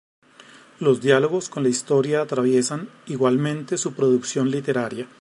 Los diálogos con la historia atraviesan, igualmente, su producción literaria.